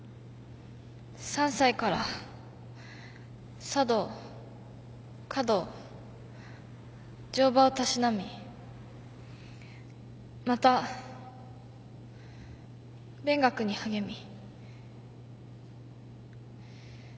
３歳から茶道華道乗馬をたしなみまた勉学に励み。